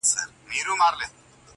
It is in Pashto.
راغلی مه وای زما له هیواده -